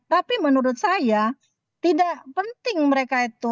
tapi menurut saya tidak penting mereka itu